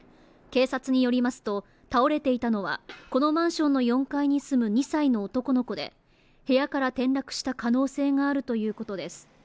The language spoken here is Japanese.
警察によりますと、倒れていたのはこのマンションの４階に住む２歳の男の子で部屋から転落した可能性があるということです。